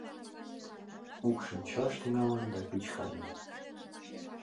Укшинчаш тӱҥалын да пич каен...